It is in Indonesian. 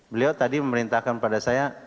beliau tadi memerintahkan pada saya